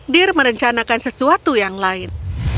dir merencanakan sesuatu yang lain